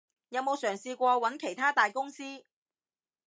有冇嘗試過揾其它大公司？